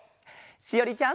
しおりちゃん。